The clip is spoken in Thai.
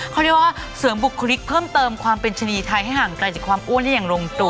เขาเรียกว่าเสริมบุคลิกเพิ่มเติมความเป็นชนีไทยให้ห่างไกลจากความอ้วนได้อย่างลงตัว